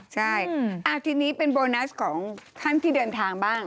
ใช่ทีนี้เป็นโบนัสของท่านที่เดินทางบ้าง